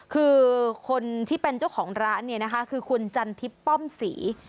คือคนที่เป็นเจ้าของร้านเนี่ยนะคะคือคุณจันทิพย์ป้อมศรี